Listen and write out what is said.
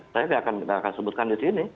saya tidak akan sebutkan di sini